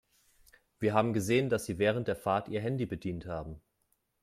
Wir haben gesehen, dass Sie während der Fahrt Ihr Handy bedient haben.